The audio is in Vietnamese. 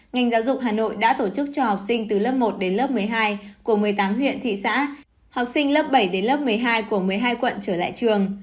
ngành giáo dục hà nội đã tổ chức cho học sinh từ lớp một đến lớp một mươi hai của một mươi tám huyện thị xã học sinh lớp bảy đến lớp một mươi hai của một mươi hai quận trở lại trường